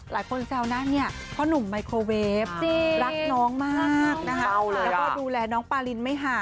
หลายคนเจ้านั้นเนี่ยน้อป้อหนุ่มไมโครเวฟรักน้องมากนะฮะว่าดูแลน้องปารินไม่